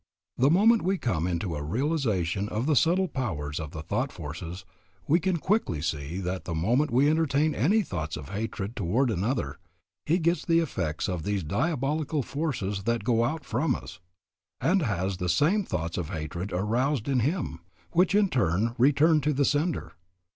The moment we come into a realization of the subtle powers of the thought forces, we can quickly see that the moment we entertain any thoughts of hatred toward another, he gets the effects of these diabolical forces that go out from us, and has the same thoughts of hatred aroused in him, which in turn return to the sender.